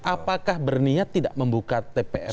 apakah berniat tidak membuka tpf itu